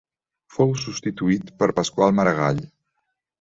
Fou substituït per Pasqual Maragall.